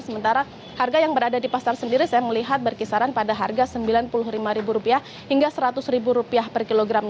sementara harga yang berada di pasar sendiri saya melihat berkisaran pada harga rp sembilan puluh lima hingga rp seratus per kilogram